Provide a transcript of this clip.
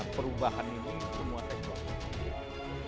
perubahan ini semua ekonomi